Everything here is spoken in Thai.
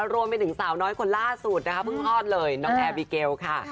รวมไปถึงสาวน้อยคนล่าสุดนะคะเพิ่งคลอดเลยน้องแอร์บิเกลค่ะ